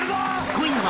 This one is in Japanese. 今夜は